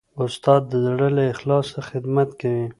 استاد د زړه له اخلاصه خدمت کوي.